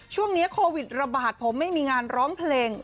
ช่วงนี้โควิดระบาดผมไม่มีงานร้องเพลง